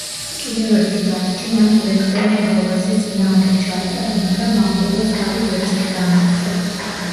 კიდევ ერთი მატჩი მან ბლექბერნ როვერსის წინააღმდეგ ჩაატარა, მაგრამ მაყურებელს თავი ვერც იქ დაამახსოვრა.